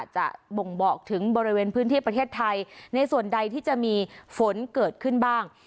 บ่งบอกถึงบริเวณพื้นที่ประเทศไทยในส่วนใดที่จะมีฝนเกิดขึ้นบ้าง